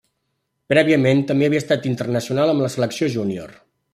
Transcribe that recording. Prèviament, també havia estat internacional amb la selecció júnior.